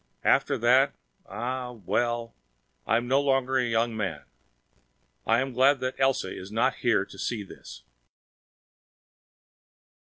After that ah, well, I am no longer a young man. I am glad that Elsa is not here to see this.